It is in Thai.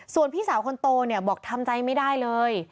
ส่วนพี่สาวคนโตเนี่ยบอกทำใจไม่ได้เลย